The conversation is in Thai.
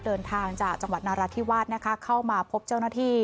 เดินทางจากจังหวัดนาราธิวาสนะคะเข้ามาพบเจ้าหน้าที่